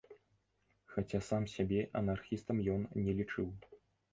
Хаця сам сябе анархістам ён не лічыў.